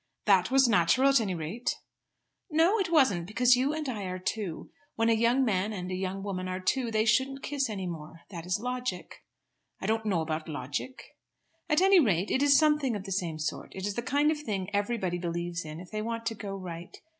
"That was natural at any rate." "No, it wasn't; because you and I are two. When a young man and a young woman are two they shouldn't kiss any more. That is logic." "I don't know about logic." "At any rate it is something of the same sort. It is the kind of thing everybody believes in if they want to go right.